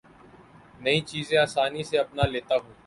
نئی چیزیں آسانی سے اپنا لیتا ہوں